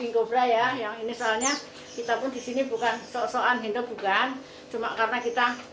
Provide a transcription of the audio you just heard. king cobra ya yang ini soalnya kita pun disini bukan sok sokan hinder bukan cuma karena kita